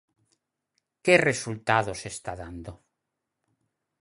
¿Que resultados está dando?